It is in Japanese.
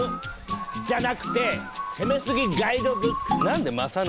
じゃなくて攻めすぎガイドブック！